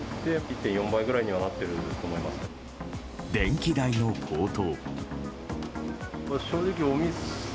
電気代の高騰。